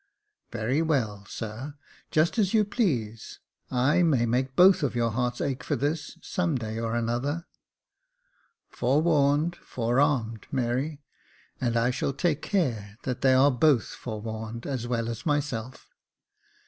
Very well, sir; just as you please. I may make both of your hearts ache for this, some day or another." "Forewarned, forearmed, Mary; and I shall take care that they are both forewarned as well as myself.